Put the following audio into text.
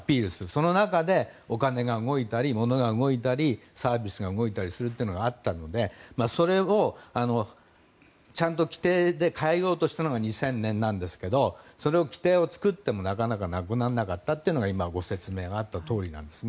その中で、お金が動いたり物が動いたりサービスが動いたりするというのがあったのでそれをちゃんと規定で変えようとしたのが２０００年なんですけどその規定を作っても、なかなかなくならなかったというのが今、ご説明があったとおりです。